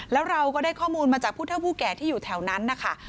แล้วเราก็ได้ข้อมูลมาจากผู้เท่าผู้แก่ที่อยู่แถวนั้นนะคะ